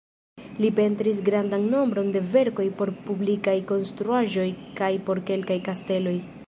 Li pentris grandan nombron de verkoj por publikaj konstruaĵoj kaj por kelkaj kasteloj.